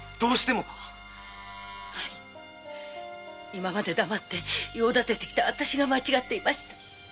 今まで黙って用立ててきた私が間違っていました。